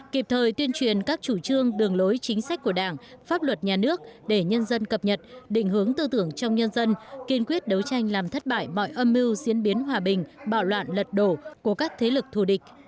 kịp thời tuyên truyền các chủ trương đường lối chính sách của đảng pháp luật nhà nước để nhân dân cập nhật định hướng tư tưởng trong nhân dân kiên quyết đấu tranh làm thất bại mọi âm mưu diễn biến hòa bình bạo loạn lật đổ của các thế lực thù địch